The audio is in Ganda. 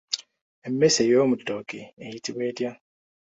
Emmese ey'omu ttooke eyitibwa etya?